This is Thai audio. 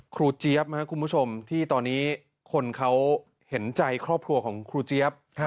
เจี๊ยบนะครับคุณผู้ชมที่ตอนนี้คนเขาเห็นใจครอบครัวของครูเจี๊ยบ